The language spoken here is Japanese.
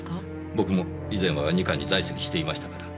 僕も以前は二課に在籍していましたから。